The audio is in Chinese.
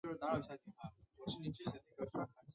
上海市顾村中学是宝山区顾村镇的一所完全中学。